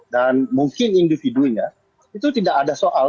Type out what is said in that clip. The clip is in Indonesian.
dan mungkin individunya itu tidak ada soal